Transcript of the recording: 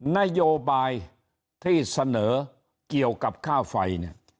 นโยบายที่เสนอเกี่ยวกับค่าไฟเนี่ย